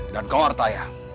dan kau artaya